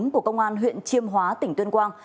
của công an huyện chiêm hóa tỉnh tuyên quang